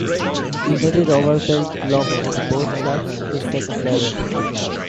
United Overpelt-Lommel, both clubs in the second level.